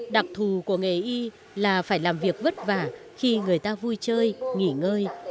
đặc thù của nghề y là phải làm việc vất vả khi người ta vui chơi nghỉ ngơi